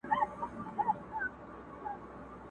یا خو غښتلی یا بې اثر یې!.